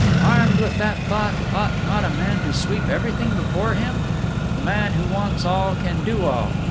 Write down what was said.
Armed with that thought, ought not a man to sweep everything before him? The man who wants all can do all.